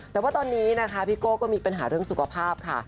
แต่ว่าตอนนี้นะคะพี่โก้ก็มีปัญหาเรื่องสุขภาพค่ะ